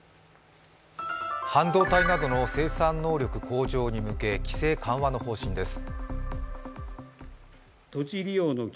半導体などの生産能力向上に向け規制緩和の方針です。